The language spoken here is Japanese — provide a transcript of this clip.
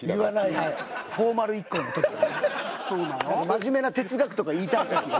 真面目な哲学とか言いたい時の。